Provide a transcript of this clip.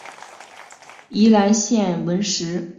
宜兰腺纹石娥为纹石蛾科腺纹石蛾属下的一个种。